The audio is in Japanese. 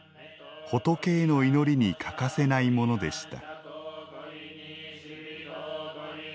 仏への祈りに欠かせないものでした。